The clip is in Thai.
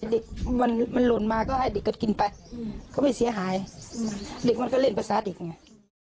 เด็กมันหล่นมาก็ให้เด็กก็กินไปก็ไม่เสียหายเด็กมันก็เล่นภาษาเด็กไง